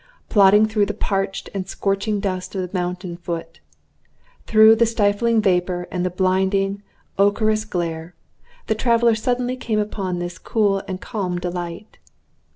Plodding through the parched and scorching dust of the mountain foot, through the stifling vapor and the blinding, ochreous glare, the traveler suddenly came upon this cool and calm delight.